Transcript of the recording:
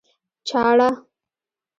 چاړه